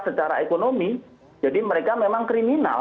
secara ekonomi jadi mereka memang kriminal